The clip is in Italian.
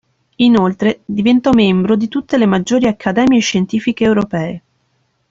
Inoltre diventò membro di tutte le maggiori accademie scientifiche europee.